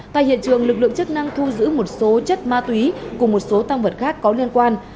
tại hiện trường lực lượng chức năng thu giữ một số chất ma túy cùng một số tăng vật khác có liên quan